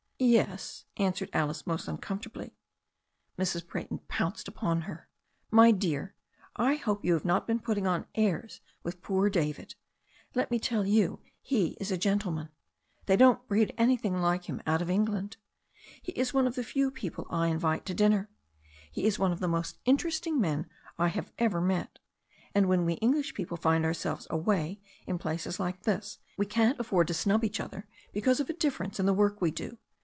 "Yes," answered Alice most uncomfortably. Mrs. Brayton pounced upon her. "My dear, I hope you have not been putting on airs with poor David. Let me tell you he is a gentleman. They don't breed anything like him out of England. He is one of the few people I invite to dinner. He is one of the most inter esting men I have ever met. And when we English people find ourselves away in places like this we can't afford to snub each other because of a difference in the work we do.